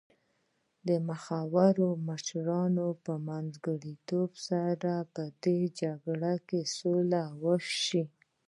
د مخورو مشرانو په منځګړیتوب سره په دې جنګ کې سوله وشوه.